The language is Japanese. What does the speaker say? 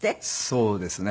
そうですね。